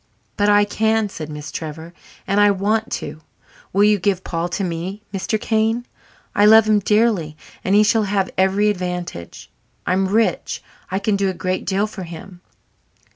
"But I can," said Miss Trevor, "and I want to. Will you give Paul to me, Mr. Kane? I love him dearly and he shall have every advantage. I'm rich I can do a great deal for him."